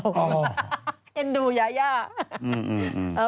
เอ็นดูยายา